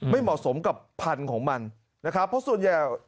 ไม่เหมาะสมกับพันธุ์ของมันนะครับ